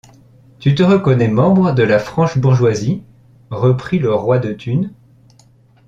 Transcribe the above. Tu te reconnais membre de la franche bourgeoisie ? reprit le roi de Thunes.